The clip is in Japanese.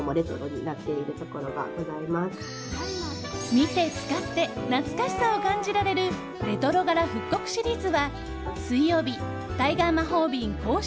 見て使って懐かしさを感じられるレトロ柄復刻シリーズは水曜日、タイガー魔法瓶公式